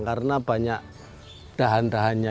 karena banyak dahan dahannya